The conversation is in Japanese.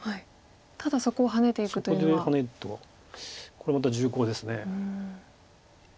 ただそこをハネていくというのは。これまた重厚です。